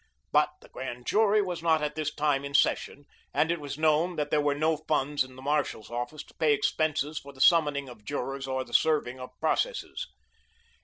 But the Grand Jury was not at that time in session, and it was known that there were no funds in the marshal's office to pay expenses for the summoning of jurors or the serving of processes.